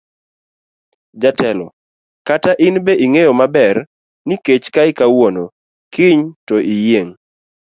Jatelo kata in be ing'eyo maber ni kech kayi kawuono kiny to iyieng'.